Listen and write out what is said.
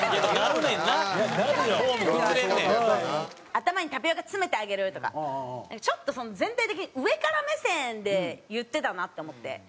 「頭にタピオカ詰めてあげる」とかちょっと全体的に上から目線で言ってたなって思って。